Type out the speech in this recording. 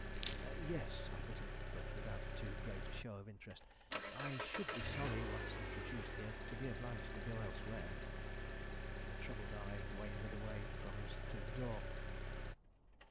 "Yes," I put in, but without too great a show of interest; "I should be sorry, once introduced here, to be obliged to go elsewhere." The troubled eye wavered away from us to the door.